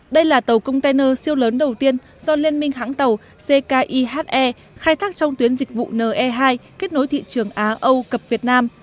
đây là tàu container siêu lớn đầu tiên do liên minh hãng tàu ckihe khai thác trong tuyến dịch vụ ne hai kết nối thị trường á âu cập việt nam